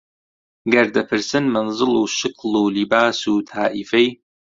گەر دەپرسن مەنزڵ و شکڵ و لیباس و تائیفەی